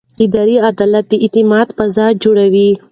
اداري عدالت د اعتماد فضا جوړوي.